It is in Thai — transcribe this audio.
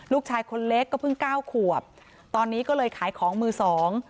ลูกชายคนเล็กก็เพิ่งเก้าขวบตอนนี้ก็เลยขายของมือสอง